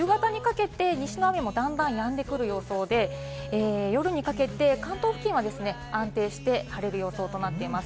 夕方にかけて西の雨もだんだんやんでくる様子で、夜にかけて関東付近は安定して晴れる予想となっています。